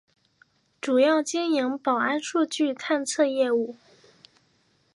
主要经营保安数据探测业务。